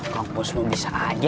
kang bos mau bisa aja